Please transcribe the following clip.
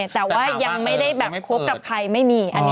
แต่ว่ายังไม่ได้แบบคบกับใครไม่มี